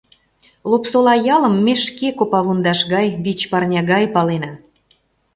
Лопсола ялым ме шке копавундаш гай, вич парня гай палена.